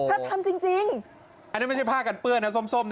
ทำจริงอันนี้ไม่ใช่ผ้ากันเปื้อนนะส้มนะ